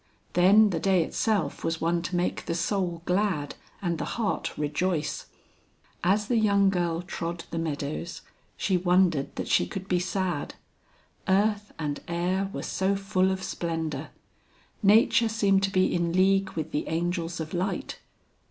Then the day itself was one to make the soul glad and the heart rejoice. As the young girl trod the meadows, she wondered that she could be sad. Earth and air were so full of splendor. Nature seemed to be in league with the angels of light.